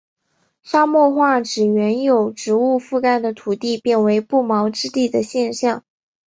沙漠化指原由植物覆盖的土地变成不毛之地的现象。